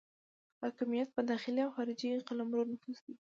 حاکمیت په داخلي او خارجي قلمرو نفوذ دی.